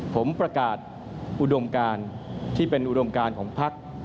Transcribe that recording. ผมประกาศอุดมการที่เป็นอุดมการของพัก